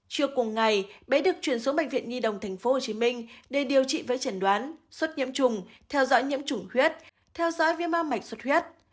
trước cùng ngày bé được chuyển xuống bệnh viện nhi đồng tp hcm để điều trị với trần đoán suất nhiễm trùng theo dõi nhiễm trùng huyết theo dõi viêm ma mạch suất huyết